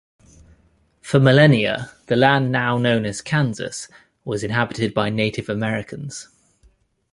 For millennia, the land now known as Kansas was inhabited by Native Americans.